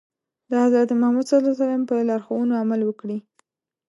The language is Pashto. د حضرت محمد ص په لارښوونو عمل وکړي.